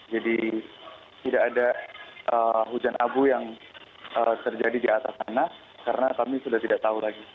jadi tidak ada hujan abu yang terjadi di atas tanah karena kami sudah tidak tahu lagi